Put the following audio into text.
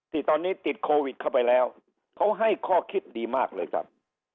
ที่ตอนนี้ติดโควิดเข้าไปแล้วเขาให้ข้อคิดดีมากเลยครับ